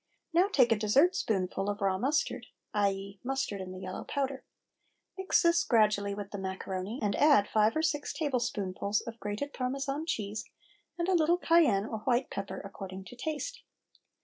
Now take a dessertspoonful of raw mustard, i.e., mustard in the yellow powder. Mix this gradually with the macaroni, and add five or six tablespoonfuls of grated Parmesan cheese and a little cayenne or white pepper according to taste.